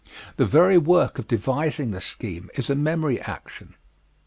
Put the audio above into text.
The very work of devising the scheme is a memory action.